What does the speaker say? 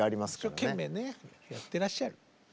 一生懸命ねやってらっしゃる。